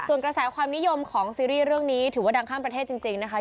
ส่วนกระแสความนิยมของซีรีส์เรื่องนี้ถือว่าดังข้ามประเทศจริงนะคะ